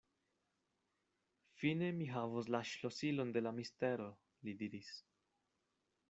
Fine mi havos la ŝlosilon de la mistero, li diris.